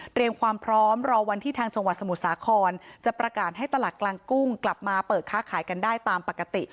ความพร้อมรอวันที่ทางจังหวัดสมุทรสาครจะประกาศให้ตลาดกลางกุ้งกลับมาเปิดค้าขายกันได้ตามปกติ